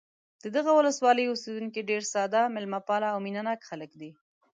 د دغه ولسوالۍ اوسېدونکي ډېر ساده، مېلمه پال او مینه ناک خلک دي.